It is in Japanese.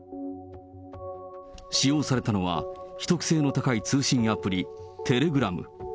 使用されたのは、秘匿性の高い通信アプリ、テレグラム。